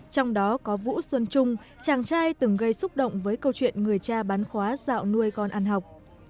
trong đó có vũ xuân trung chàng trai từng gây xúc động với câu chuyện người cha bán khóa dạo nuôi con ăn học